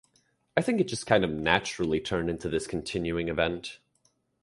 I think it just kind of naturally turned into this continuing event.